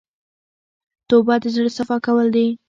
توبه د زړه صفا کول دي.